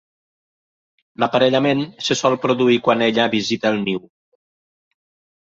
L'aparellament se sol produir quan ella visita el niu.